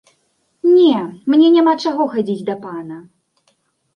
Не, мне няма чаго хадзіць да пана.